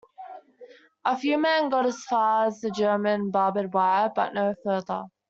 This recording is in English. A few men got as far as the German barbed wire but no further.